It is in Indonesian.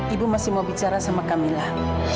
ibu masih mau bicara sama kamilah